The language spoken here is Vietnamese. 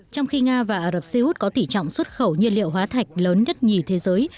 trong khi nga và ả rập xê út có tỷ trọng xuất khẩu nhiên liệu hóa thạch lớn nhất nhì thế giới